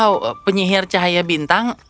oh penyihir cahaya bintang